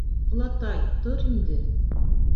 — Олатай, тор инде!